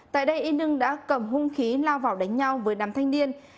tại đây y nương đã cầm hung khí lao vào đánh nhau với đám thanh niên